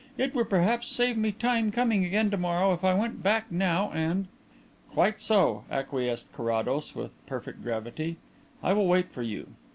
It would perhaps save me coming again to morrow if I went back now " "Quite so," acquiesced Carrados, with perfect gravity. "I will wait for you."